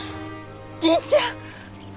銀ちゃん！